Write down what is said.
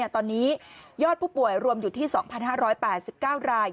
ตอนนี้ยอดผู้ป่วยรวมอยู่ที่๒๕๘๙ราย